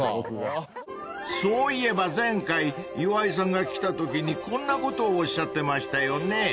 ［そういえば前回岩井さんが来たときにこんなことをおっしゃってましたよね］